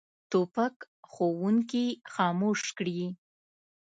توپک ښوونکي خاموش کړي.